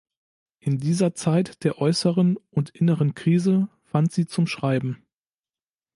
In dieser Zeit der äusseren und inneren Krise fand sie zum Schreiben.